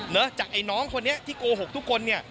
เนอะจากน้องคนนี้ที่โกหกทุกคน